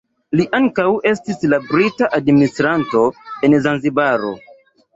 Li ankaŭ estis la brita administranto en Zanzibaro.